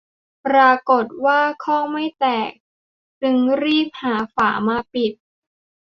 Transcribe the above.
ปรากฏว่าข้องไม่แตกจึงรีบหาฝามาปิด